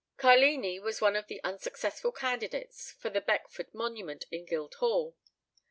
Carlini was one of the unsuccessful candidates for the Beckford monument in Guildhall.